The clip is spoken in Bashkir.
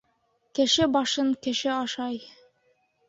Кеше башын кеше ашай.